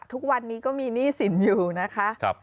ทุกวันนี้ก็มีหนี้สินอยู่นะคะ